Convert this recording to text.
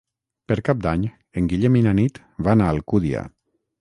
Per Cap d'Any en Guillem i na Nit van a Alcúdia.